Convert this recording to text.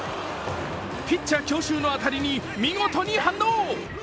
ピッチャー強襲の当たりに見事に反応。